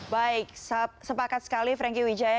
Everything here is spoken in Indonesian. baik sepakat sekali franky wijaya